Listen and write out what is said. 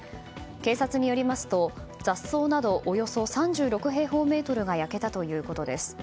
警察によりますと雑草などおよそ３６平方メートルが焼けたということです。